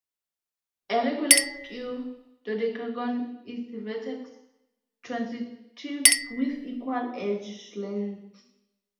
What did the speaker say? A regular skew dodecagon is vertex-transitive with equal edge lengths.